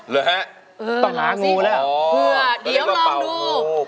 หรือแหะต้องหางูแล้วเหลือเดี๋ยวลองดู